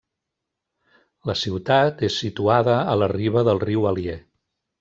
La ciutat és situada a la riba del riu Alier.